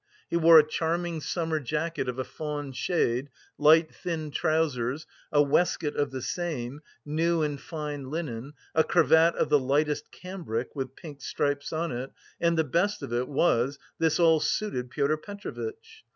He wore a charming summer jacket of a fawn shade, light thin trousers, a waistcoat of the same, new and fine linen, a cravat of the lightest cambric with pink stripes on it, and the best of it was, this all suited Pyotr Petrovitch.